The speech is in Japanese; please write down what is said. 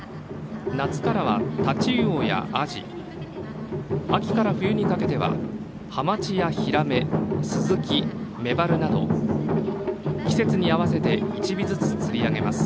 夏からはタチウオやアジ秋から冬にかけてはハマチやヒラメ、スズキ、メバルなど季節に合わせて１尾ずつ釣り上げます。